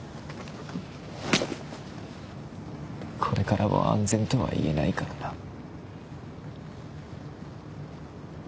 これからは安全とはいえないからな。